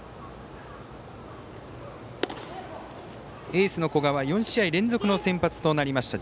エースの古賀は４試合連続の先発となりました。